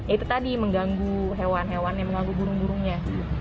itu tadi mengganggu hewan hewan yang mengganggu burung burungnya